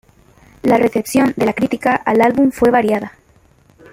La recepción de la crítica al álbum fue variada.